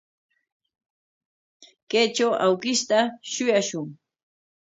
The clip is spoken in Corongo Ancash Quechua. Kaytraw awkishta shuyashun.